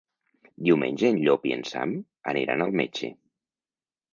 Diumenge en Llop i en Sam aniran al metge.